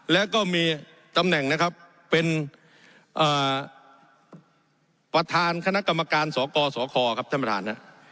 แล้วก็มีตำแหน่งนะครับเป็นประธานคณะกรรมการสกสคครับท่านประธานนะ